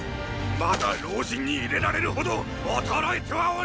まだ老人に入れられるほど衰えてはおりませぬ！